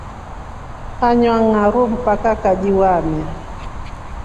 Anywa ngʼaru mpaa kajiwaamilya.